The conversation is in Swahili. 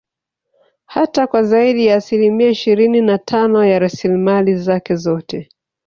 Hata kwa zaidi ya asilimia ishirini na Tano ya rasilimali zake zote